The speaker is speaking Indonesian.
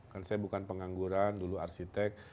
kan saya bukan pengangguran dulu arsitek